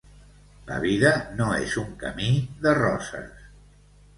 La vida no és un camí de roses